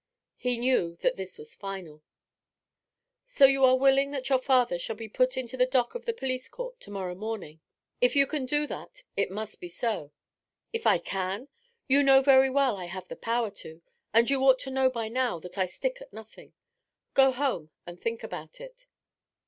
He knew that this was final. 'So you are willing that your father shall be put into the dock at the police court to morrow morning?' 'If you can do that, it must be so.' 'If I can? You know very well I have the power to, and you ought to know by now that I stick at nothing. Go home and think about it.'